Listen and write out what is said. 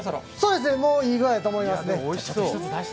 もういい具合だと思いますね。